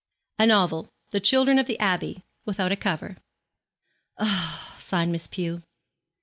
'A novel, "The Children of the Abbey," without a cover.' 'Ah!' sighed Miss Pew.